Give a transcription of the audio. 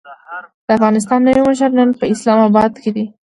د افغانستان نوی مشر نن په اسلام اباد کې دی.